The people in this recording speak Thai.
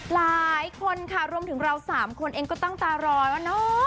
หลายคนค่ะรวมถึงเรา๓คนเองก็ตั้งตารอว่าเนอะ